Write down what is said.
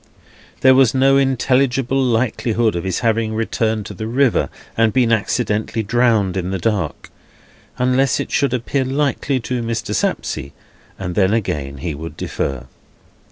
There was no intelligible likelihood of his having returned to the river, and been accidentally drowned in the dark, unless it should appear likely to Mr. Sapsea, and then again he would defer.